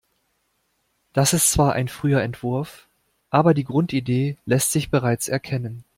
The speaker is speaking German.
Das ist zwar ein früher Entwurf, aber die Grundidee lässt sich bereits erkennen.